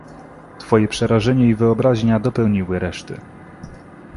"Twoje przerażenie i wyobraźnia dopełniły reszty."